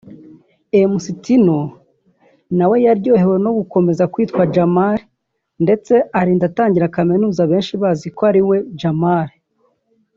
Mc Tino nawe yaryohewe no gukomeza kwitwa Jamal ndetse arinda atangira Kaminuza benshi baziko ari we Jamal